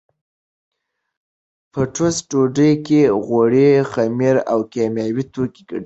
په ټوسټ ډوډۍ کې غوړي، خمیر او کیمیاوي توکي ګډېږي.